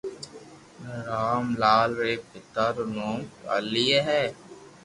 رام لال ري پيتا رو نوم ڪاليي ھي